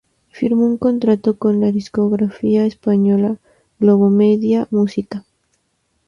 Firmó un contrato con la discográfica española Globomedia Música.